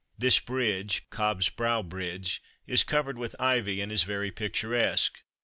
This bridge (Cobb's Brow Bridge) is covered with ivy, and is very picturesque.